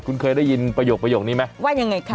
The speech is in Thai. คุณเคยได้ยินประโยคนี้ไหมว่ายังไงคะ